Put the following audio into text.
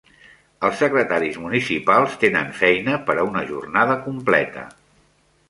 Els secretaris municipals tenen feina per a una jornada completa.